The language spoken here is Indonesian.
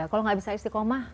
kalau tidak bisa istiqomah